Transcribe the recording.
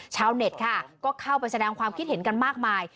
ชาวเน็ตค่ะก็เข้าไปแสดงความคิดเห็นกันมากมาย